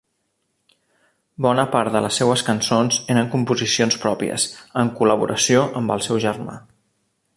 Bona part de les seues cançons eren composicions pròpies, en col·laboració amb el seu germà.